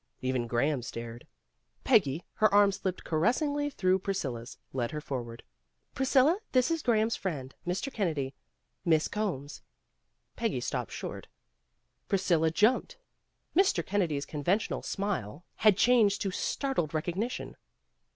Even Graham stared. Peggy, her arm slipped caressingly through Priscilla's, led her forward. "Priscilla, this is Graham's friend, Mr. Kennedy. Miss Combs " Peggy stopped short, Priscilla had jumped. Mr. Kennedy's conventional smile had changed 292 PEGGY RAYMOND'S WAY to startled recognition.